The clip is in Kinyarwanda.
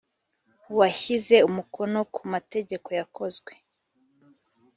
uwashyize umukono ku mategeko yakozwe